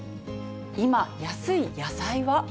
今、安い野菜は。